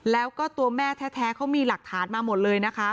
แล้วก็ตัวแม่แท้เขามีหลักฐานมาหมดเลยนะคะ